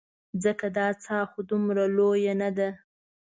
ځکه دا څاه خو دومره لویه نه ده.